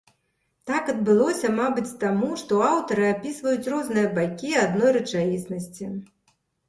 Так адбылося, мабыць, таму, што аўтары апісваюць розныя бакі адной рэчаіснасці.